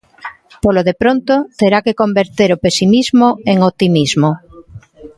Polo de pronto terá que converter o pesimismo en optimismo.